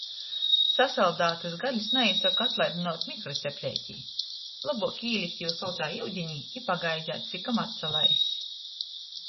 Sasaldātys galis naīsoka atlaidynuot mikrocepleitī. Lobuok īlikt jū soltā iudinī i pagaideit, cikom atsalaiss.